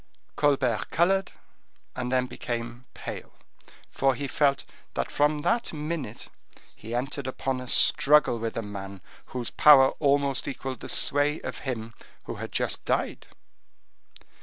Colbert colored, and then became pale, for he felt that from that minute he entered upon a struggle with a man whose power almost equaled the sway of him who had just died.